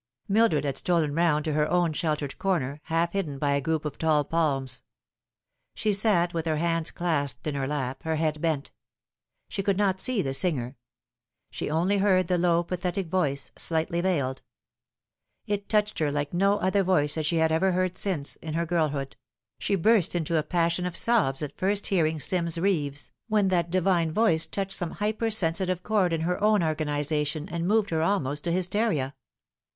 Mildred had stolen round to her own sheltered corner, halt hidden by a group of tall palms. She sat with her hands clasped in her lap, her head bent. She could not see the singer. She only heard the low pathetic voice, slightly veiled. It touched her like no other voice that she had ever heard since, in her girlhood, she burst into a passion of sobs at first hearing Sims Beeves, when that divine voice touched some hyper sensitive chord in her own organisation and moved her almost to hysteria.